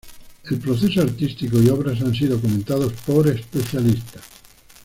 El proceso artístico y obras han sido comentados por especialistas.